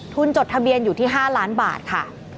จดทะเบียนอยู่ที่๕ล้านบาทค่ะ